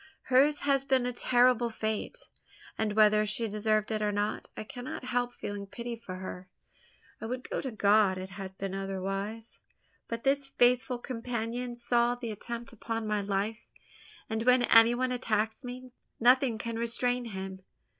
hers has been a terrible fate; and whether she deserved it or not, I cannot help feeling pity for her. I would to God it had been otherwise; but this faithful companion saw the attempt upon my life; and when any one attacks me, nothing can restrain him.